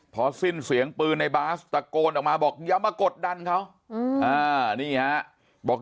พอสิ้นเสียงปืนในบาสตะโกนออกมาบอกอย่ามากดดันเขานี่ฮะบอก